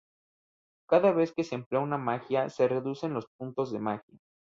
Cada vez que se emplea una magia, se reducen los puntos de magia.